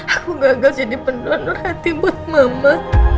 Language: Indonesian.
aku gagal jadi pendonor hati buat mama